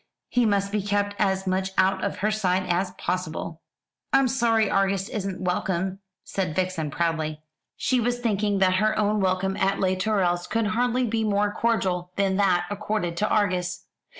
He must be kept as much out of her sight as possible." "I'm sorry Argus isn't welcome," said Vixen proudly. She was thinking that her own welcome at Les Tourelles could hardly be more cordial than that accorded to Argus.